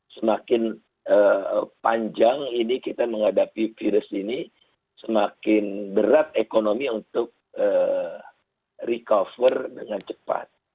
semakin panjang ini kita menghadapi virus ini semakin berat ekonomi untuk recover dengan cepat